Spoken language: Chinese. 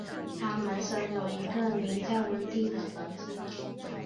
他们生有一个名叫温蒂的儿子。